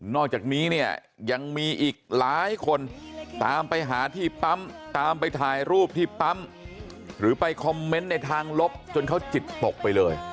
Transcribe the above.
อกจากนี้เนี่ยยังมีอีกหลายคนตามไปหาที่ปั๊มตามไปถ่ายรูปที่ปั๊มหรือไปคอมเมนต์ในทางลบจนเขาจิตตกไปเลย